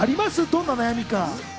どんな悩みか。